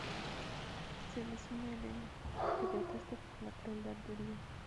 Se les une Helena, que protesta por la crueldad de Dios.